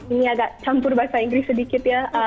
ini agak campur bahasa inggris sedikit ya